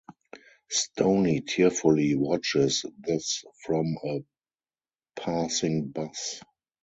Stoney tearfully watches this from a passing bus.